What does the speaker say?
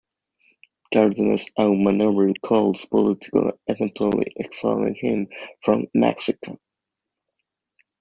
Cárdenas out-maneuvered Calles politically, eventually exiling him from Mexico.